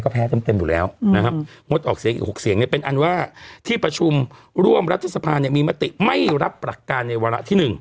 แพ้เต็มอยู่แล้วนะครับงดออกเสียงอีก๖เสียงเนี่ยเป็นอันว่าที่ประชุมร่วมรัฐสภาเนี่ยมีมติไม่รับหลักการในวาระที่๑